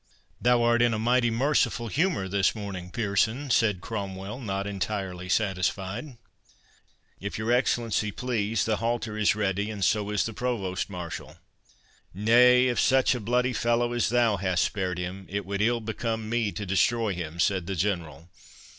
"Thou art in a mighty merciful humour this morning, Pearson," said Cromwell, not entirely satisfied. "If your Excellency please, the halter is ready, and so is the provost marshal." "Nay, if such a bloody fellow as thou hast spared him, it would ill become me to destroy him," said the General.